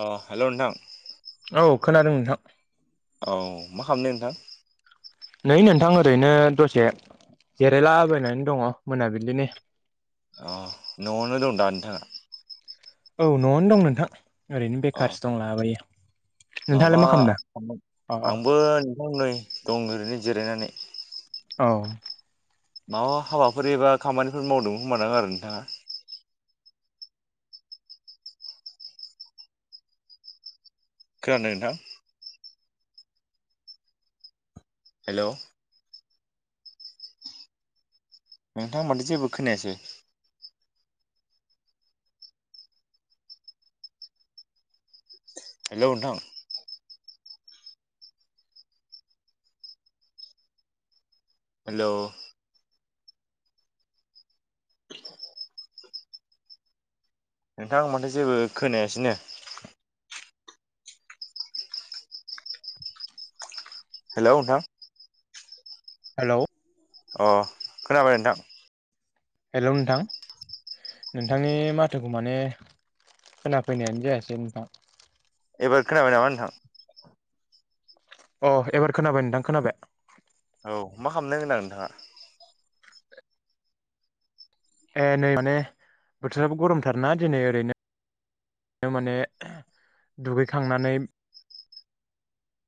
अ हेल' नोंथां। औ खोनादों नोंथां। औ मा खालामनो नोंथां। ओइ नोंथां ओरैनो दसे जिरायलाबायनानै दङ मोनाबिलिनि। अ न'आवनो दं दा नोंथाङा। औ न'आवनो दं नोंथां ओरैनो अ बेखारसो दं लाबायो। माबा अ आंबो नोंथां नै दं ओरैनो जिरायनानै। औ माबा हाबाफोर एबा खामानिफोर मावदों मोन आरो नोंथाङा। खानादों नोंथां। हेल' नोंथां माथो जेबो खोनायासै हेल' नोंथां। हेल' नोंथां माथो जेबो खोनायासैनो। [inaudible] हेल' नोंथां। हेल' अ खोनाबाय नोंथां? हेल' नोंथां। नोंथांनि माथोखौ माने खोनाफैनायानो जायासै नोंथां। एबार खोनाबाय नामा नोंथां। अ एबार खोनाबाय नोंथां खोनाबाय। औ मा खालामदों होनदों नोंथाङा। ए नै माने बोथोराबो गरमथार ना दिनै ओरैनो। बिनो माने दुगैखांनानै। [inaudible]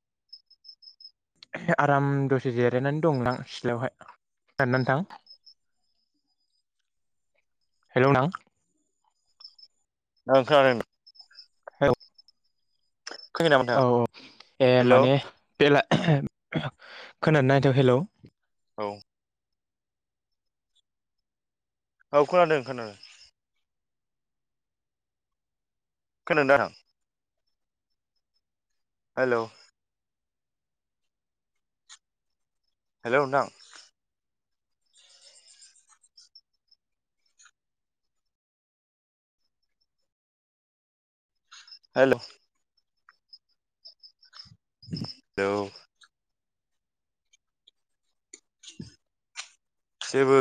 आराम दसे जिरायनानै दंमोन आं सिथ्लायावहाय जिरायनानै नोंथां। [inaudible] हेलौ नां नं सारनो [unintelligible] हेलौ खोनादों खोनायाखै नामा नोंथाङा औ औ ए हेलौ माने बेला खोनानो नायथाव हेलौ। औ औ खोनादों खोनादों। खोनादों द आं [unintelligible] हेलौ हेलौ नोंथां। हेल' [unintelligible] हेलौ' जेबो